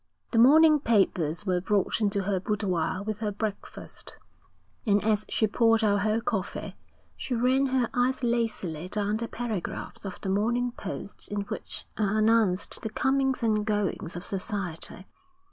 The morning papers were brought into her boudoir with her breakfast, and as she poured out her coffee, she ran her eyes lazily down the paragraphs of the Morning Post in which are announced the comings and goings of society.